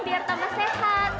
biar tambah sehat